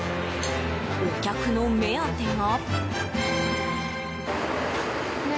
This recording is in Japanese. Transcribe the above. お客の目当てが。